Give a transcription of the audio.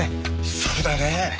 そうだねえ。